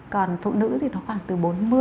còn phụ nữ thì nó khoảng từ bốn mươi